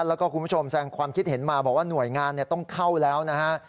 แล้วก็คุณผู้ชมแสงความคิดเห็นมาบอกว่าหน่วยงานต้องเข้าแล้วนะฮะ